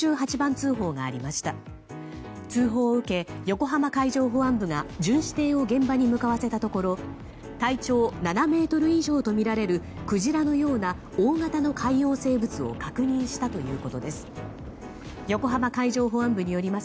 通報を受け、横浜海上保安部が巡視艇を現場に向かわせたところ体長７ｍ以上とみられるクジラのような大型の海洋生物を確認したということです。